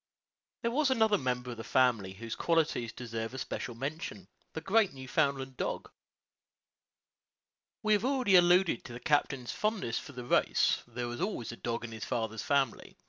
There was another member of the family whose qualities deserve especial mention the great Newfoundland dog. We have already alluded to the captain's fondness for the race: there was always a dog in his father's family.